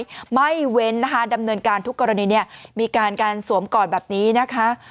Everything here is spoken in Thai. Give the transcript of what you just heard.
ไม่เว้นนะคะดำเนินการทุกกรณีเนี่ยมีการการสวมก่อนแบบนี้นะคะ